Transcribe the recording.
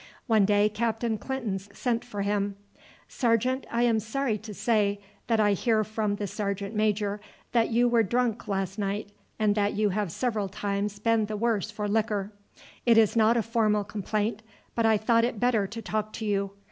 One day Captain Clinton sent for him. "Sergeant, I am sorry to say that I hear from the sergeant major that you were drunk last night, and that you have several times been the worse for liquor. It is not a formal complaint, but I thought it better to talk to you.